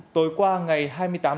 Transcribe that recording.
tối qua ngày hai mươi hai tháng năm